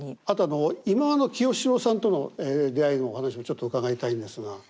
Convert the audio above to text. あと忌野清志郎さんとの出会いのお話もちょっと伺いたいんですが。